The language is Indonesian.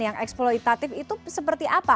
yang eksploitatif itu seperti apa